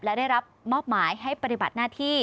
และได้รับมอบหมายให้ปฏิบัติหน้าที่